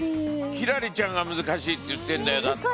輝星ちゃんが難しいって言ってんだよだって。